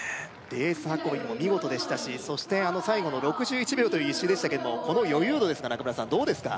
レース運びも見事でしたしそして最後の６１秒という１周でしたけどもこの余裕度ですが中村さんどうですか？